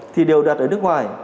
thì đều đặt ở nước ngoài